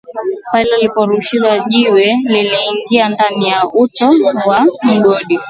pale ilipo ukirusha jiwe jiwe linaingia ndani ya utio wa mgodi